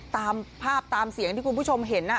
ตามภาพตามเสียงที่คุณผู้ชมเห็น